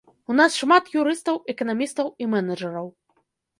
У нас шмат юрыстаў, эканамістаў і менеджараў.